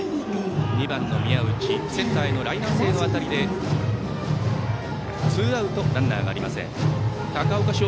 ２番、宮内、センターへのライナー性の当たりでツーアウト、ランナーなし。